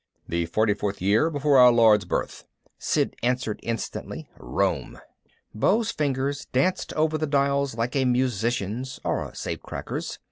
"The forty fourth year before our Lord's birth!" Sid answered instantly. "Rome!" Beau's fingers danced over the dials like a musician's, or a safe cracker's.